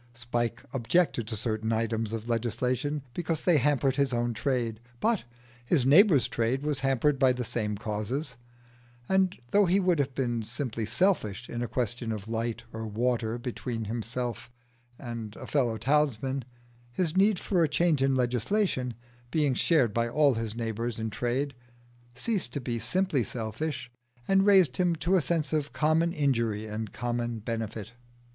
Spike objected to certain items of legislation because they hampered his own trade, but his neighbours' trade was hampered by the same causes; and though he would have been simply selfish in a question of light or water between himself and a fellow townsman, his need for a change in legislation, being shared by all his neighbours in trade, ceased to be simply selfish, and raised him to a sense of common injury and common benefit.